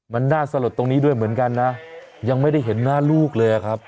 มันน่าสลดตรงนี้ด้วยเหมือนกันนะยังไม่ได้เห็นหน้าลูกเลยอะครับ